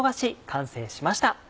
完成しました。